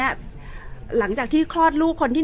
แต่ว่าสามีด้วยคือเราอยู่บ้านเดิมแต่ว่าสามีด้วยคือเราอยู่บ้านเดิม